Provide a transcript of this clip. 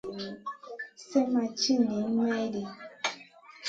Slèh ma cal niyn maydi.